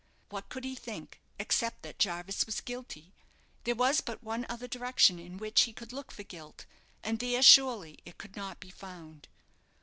What could he think, except that Jarvis was guilty? There was but one other direction in which he could look for guilt, and there surely it could not be found.